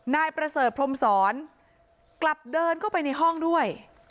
นายประเสริฐพรมศรกลับเดินเข้าไปในห้องด้วย